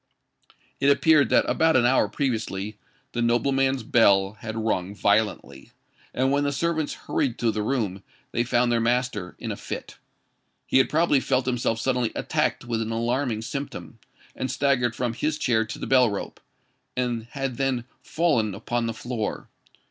It appeared that about an hour previously the nobleman's bell had rung violently; and when the servants hurried to the room, they found their master in a fit. He had probably felt himself suddenly attacked with an alarming symptom, and staggered from his chair to the bell rope, and had then fallen upon the floor.